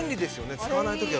使わないときは。